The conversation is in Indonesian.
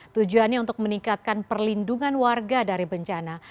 tujuannya untuk meningkatkan perlindungan warga dari bencana